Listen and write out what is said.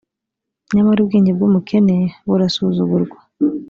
nyamara ubwenge bw umukene burasuzugurwa